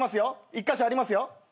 １カ所ありますよ。